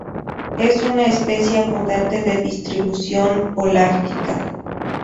Es una especie abundante de distribución holártica.